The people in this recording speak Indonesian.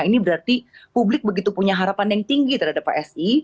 ini berarti publik begitu punya harapan yang tinggi terhadap psi